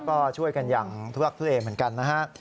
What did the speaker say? ก็ช่วยกันอย่างทุลักทุเลเหมือนกันนะฮะ